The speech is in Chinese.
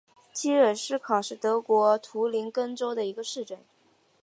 基尔施考是德国图林根州的一个市镇。